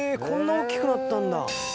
こんな大きくなったんだ。